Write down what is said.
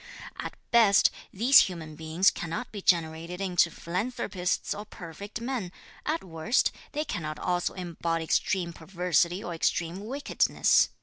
At best, (these human beings) cannot be generated into philanthropists or perfect men; at worst, they cannot also embody extreme perversity or extreme wickedness.